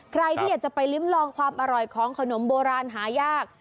ใครที่อยากจะไปลิ้มลองความอร่อยของขนมโบราณหายาก